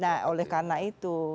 nah oleh karena itu